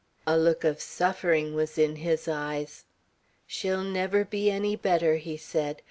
A look of suffering was in his eyes. "She'll never be any better," he said.